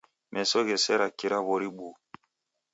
Meso ghesera kira w'ori buu.